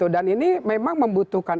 dan ini memang membutuhkan